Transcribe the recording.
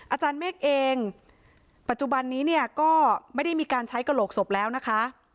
อาจารย์เมฆเองปัจจุบันนี้เนี่ยก็ไม่ได้มีการใช้กระโหลกศพแล้วนะคะ